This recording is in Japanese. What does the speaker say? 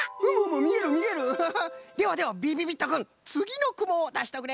みえるみえる！ではではびびびっとくんつぎのくもをだしておくれ！